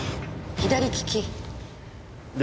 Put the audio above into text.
左利き。で？